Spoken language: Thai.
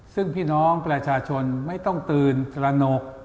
ซึ่งพี่น้องประชาชนไม่ต้องตื่นตระหนก